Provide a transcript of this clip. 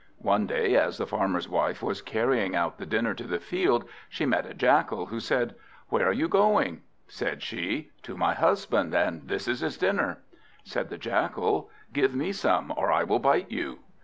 One day, as the Farmer's wife was carrying out the dinner to the field, she met a Jackal, who said "Where are you going?" Said she, "To my husband, and this is his dinner." Said the Jackal, "Give me some, or I will bite you."